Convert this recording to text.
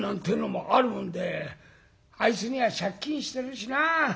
「あいつには借金してるしなあ。